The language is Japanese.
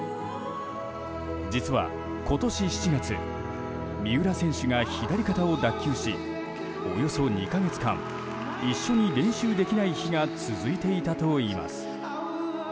実は今年７月三浦選手が左肩を脱臼しおよそ２か月間一緒に練習できない日が続いていたといいます。